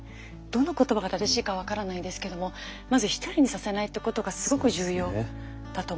どんな言葉が正しいか分からないですけどもまず１人にさせないってことがすごく重要だと思いますね。